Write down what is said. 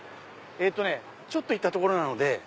ちょっと行った所なので。